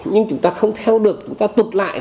nhưng chúng ta không theo được chúng ta tục lại